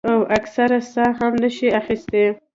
او اکثر ساه هم نشي اخستے ـ